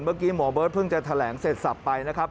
เมื่อกี้หมอเบิร์ตเพิ่งจะแถลงเสร็จสับไปนะครับ